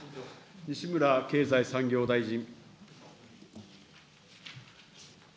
西村経済産業大臣。